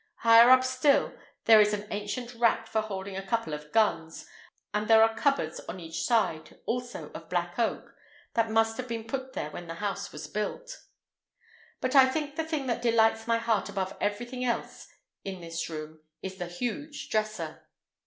Higher up still there is an ancient rack for holding a couple of guns, and there are cupboards on each side, also of black oak, that must have been put there when the house was built. But I think the thing that delights my heart above everything else in this room is the huge dresser.